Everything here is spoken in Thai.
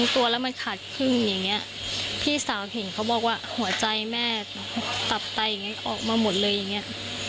ตัวแล้วมันขาดครึ่งอย่างนี้พี่สาวเห็นเขาบอกว่าหัวใจแม่ตับไตอย่างนี้ออกมาหมดเลยอย่างนี้